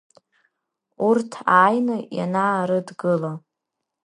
Урҭ ааины, ианаарыдгыла…